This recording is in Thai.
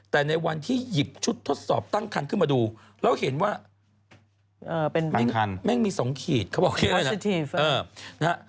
แต่ในวันที่หยิบชุดทดสอบตั้งคันขึ้นมาดูเราเห็นว่ามันแม่งมีสองขีดเขาบอกแค่นั้น